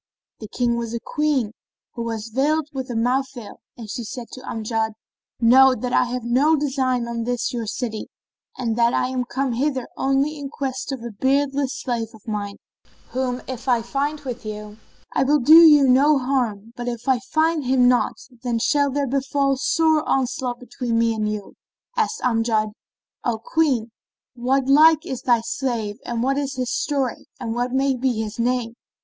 the King was a Queen, who was veiled with a mouth veil, and she said to Amjad, "Know that I have no design on this your city and that I am come hither only in quest of a beardless slave of mine, whom if I find with you, I will do you no harm, but if I find him not, then shall there befall sore onslaught between me and you." Asked Amjad, "O Queen, what like is thy slave and what is his story and what may be his name?"